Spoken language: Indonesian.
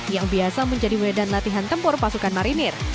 yang biasa menjadi medan latihan tempur pasukan marinir